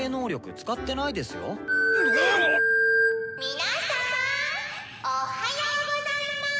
「皆さんおっはようございます！